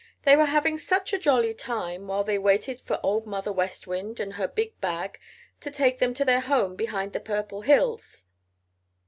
They were having such a jolly time while they waited for Old Mother West Wind and her big bag to take them to their home behind the Purple Hills.